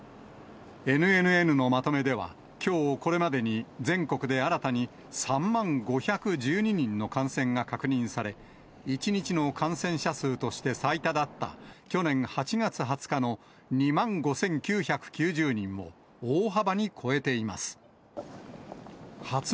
ＮＮＮのまとめでは、きょうこれまでに全国で新たに３万５１２人の感染が確認され、１日の感染者数として最多だった去年８月２０日の２万５９９０人を大幅に超えています。